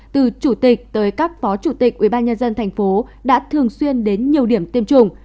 từ chủ tịch tới các phó chủ tịch ubnd thành phố đã thường xuyên đến nhiều điểm tiêm chủng